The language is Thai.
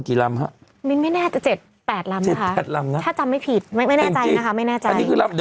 เดี๋ยวมีอีก๗ลำดิ์นะคะ